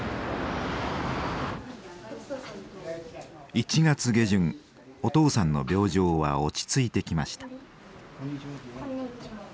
１月下旬お父さんの病状は落ち着いてきました。